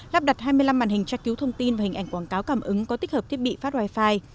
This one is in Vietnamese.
lắp đặt hai mươi năm màn hình tra cứu thông tin và hình ảnh quảng cáo cảm ứng có tích hợp thiết bị phát wifi